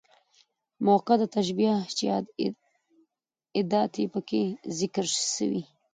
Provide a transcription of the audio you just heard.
مؤکده تشبيه، چي ادات نه يي پکښي ذکر سوي.